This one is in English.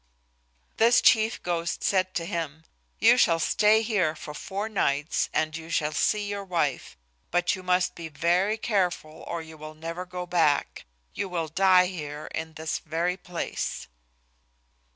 This chief ghost said to him, "You shall stay here for four nights and you shall see your wife, but you must be very careful or you will never go back. You will die here in this very place."